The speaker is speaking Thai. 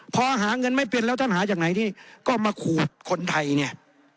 พอหาเงินไม่เป็นแล้วท่านหาจากไหนนี่ก็มาขูดคนไทยเนี่ย